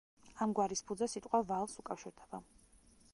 ამ გვარის ფუძე სიტყვა ვალს უკავშირდება.